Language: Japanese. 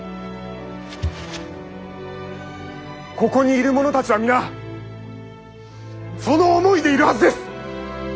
ここにいる者たちは皆その思いでいるはずです！